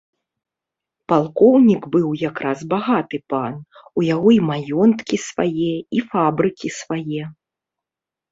Палкоўнік быў якраз багаты пан, у яго і маёнткі свае, і фабрыкі свае.